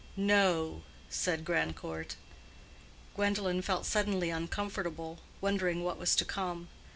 "No," said Grandcourt. Gwendolen felt suddenly uncomfortable, wondering what was to come.